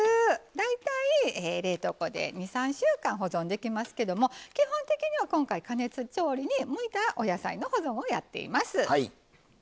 大体冷凍庫で２３週間保存できますけども基本的には今回加熱調理に向いたお野菜の保存をやっています。